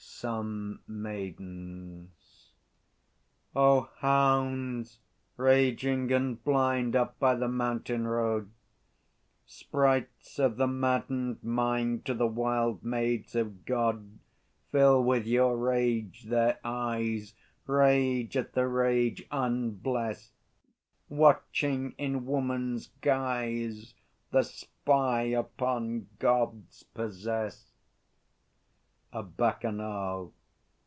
Some Maidens. O hounds raging and blind, Up by the mountain road, Sprites of the maddened mind, To the wild Maids of God; Fill with your rage their eyes, Rage at the rage unblest, Watching in woman's guise, The spy upon God's Possessed. _A Bacchanal.